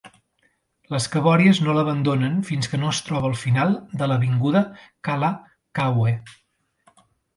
Les cabòries no l'abandonen fins que no es troba al final de l'avinguda Kalakaua.